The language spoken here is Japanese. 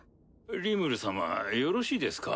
リムル様よろしいですか？